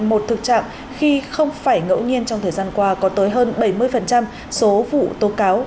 một thực trạng khi không phải ngẫu nhiên trong thời gian qua có tới hơn bảy mươi số vụ tố cáo